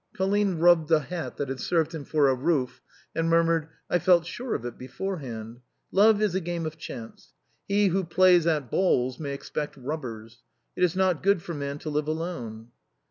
Colline rubbed the hat that served him for a roof, and murmured :" I felt sure of it beforehand. Love is a game of chance. He who plays at bowls may expect rubbers. It is not good for man to live alone."